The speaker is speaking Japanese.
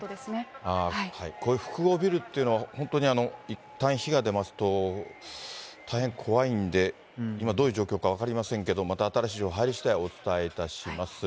こういう複合ビルというのは、本当にいったん火が出ますと大変怖いんで、今、どういう状況か分かりませんけど、また新しい情報入りしだいお伝えいたします。